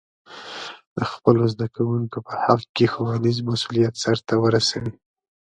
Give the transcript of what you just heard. د خپلو زده کوونکو په حق کې ښوونیز مسؤلیت سرته ورسوي.